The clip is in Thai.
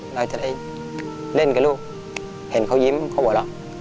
เราจะได้เล่นกับลูกเห็นเขายิ้มเขาหัวเราะ